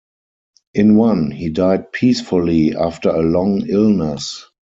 In one, he died peacefully after a long illness.